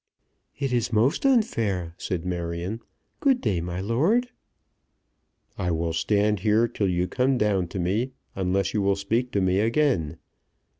"It is most unfair," said Marion. "Good day, my lord." "I will stand here till you come down to me, unless you will speak to me again.